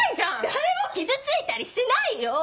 誰も傷ついたりしないよ！